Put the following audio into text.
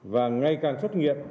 và ngày càng xuất nghiệp